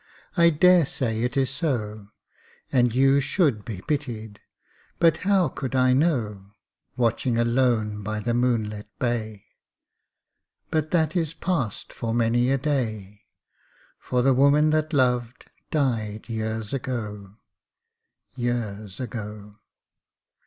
I dare say it is so, And you should be pitied, but how could I know, Watching alone by the moon lit bay; But that is past for many a day, For the woman that loved, died years ago, Years ago.